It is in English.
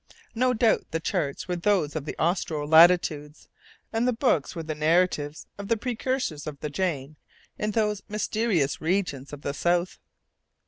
No doubt the charts were those of the austral latitudes, and the books were narratives of the precursors of the Jane in those mysterious regions of the south.